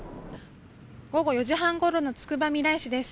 午後４時半ごろのつくばみらい市です。